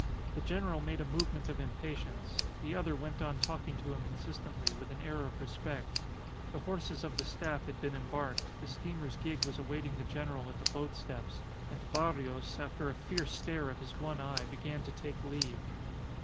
The general made a movement of impatience; the other went on talking to him insistently, with an air of respect. The horses of the Staff had been embarked, the steamer's gig was awaiting the general at the boat steps; and Barrios, after a fierce stare of his one eye, began to take leave.